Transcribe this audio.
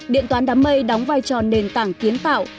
điện toán đám mây đóng vai trò nền tảng kiến tạo